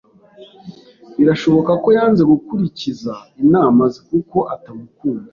Birashoboka ko yanze gukurikiza inama ze, kuko atamukunda.